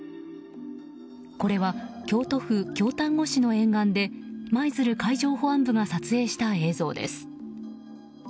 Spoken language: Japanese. これは京都府京丹後市の沿岸で舞鶴海上保安部が撮影した映像です。